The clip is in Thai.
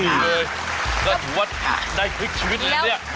ก็ถือว่าได้คลิกชีวิตเลยเนี่ย